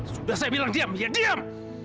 sudah saya bilang diam diam diam